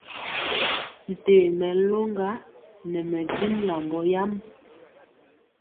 Ntee mɛ loŋga nɛ mɛ jin lambɔ yam.